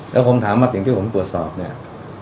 แล้วผมถามว่าสิ่งที่ผมตรวจสอบเนี่ย